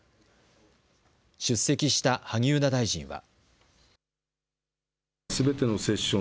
出席した萩生田大臣は。